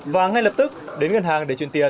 và ngay lập tức đến ngân hàng để chuyển tiền